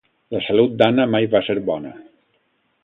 La salut d'Anna mai va ser bona.